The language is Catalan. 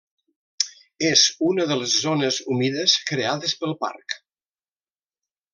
És una de les zones humides creades pel Parc natural.